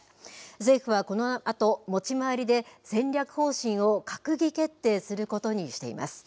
政府はこのあと、持ち回りで戦略方針を閣議決定することにしています。